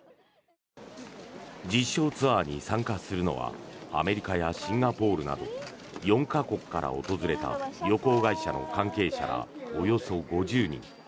実証ツアーに参加するのはアメリカやシンガポールなど４か国から訪れた旅行会社の関係者らおよそ５０人。